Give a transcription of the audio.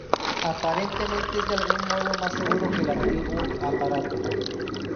Aparentemente es de algún modo más seguro que el antiguo aparato.